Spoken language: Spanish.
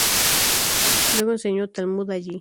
Luego enseñó Talmud allí.